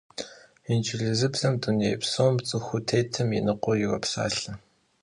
Инджылызыбзэм дуней псом цӀыхуу тетым и ныкъуэр иропсалъэ!